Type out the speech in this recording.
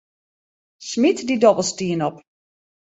Smyt in dobbelstien op.